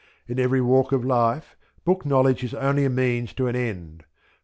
In every walk in life, book knowledge is only a means to an end.